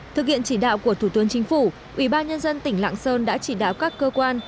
thực hiện chỉ đạo của thủ tướng chính phủ ủy ban nhân dân tỉnh lạng sơn đã chỉ đạo các cơ quan